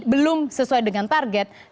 belum sesuai dengan target